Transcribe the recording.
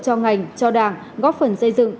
cho ngành cho đảng góp phần xây dựng